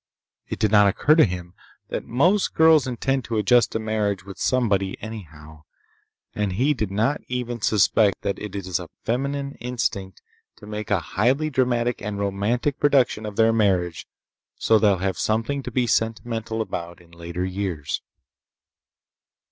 It did not occur to him that most girls intend to adjust to marriage with somebody, anyhow, and he did not even suspect that it is a feminine instinct to make a highly dramatic and romantic production of their marriage so they'll have something to be sentimental about in later years.